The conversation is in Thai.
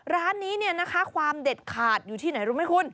ร้านนี้เนี่ยนะคะความเด็ดขาดอยู่ที่ไหนรู้ไหมคุณ